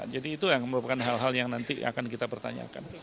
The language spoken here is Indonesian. jadi itu yang merupakan hal hal yang nanti akan kita pertanyakan